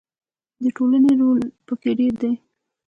خو د ټولنې رول پکې ډیر دی.